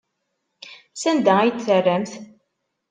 Sanda ay t-terramt?